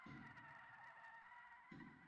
Uning baxti shunday jonfido o‘g‘li bo‘lganida.